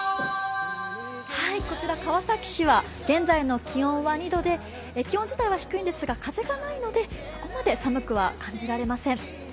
こちら、川崎市は現在の気温は２度で気温自体は低いんですが、風はないのでそこまで寒くは感じられません。